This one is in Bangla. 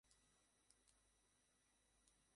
এটাই জিজ্ঞাসা করেছিল এক গ্লাস পানি পাওয়া যাবে?